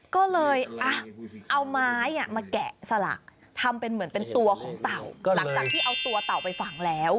ก็เลยเอาไม้มาแกะสลักทำเป็นเหมือนเป็นตัวของเต่าหลังจากที่เอาตัวเต่าไปฝังแล้ว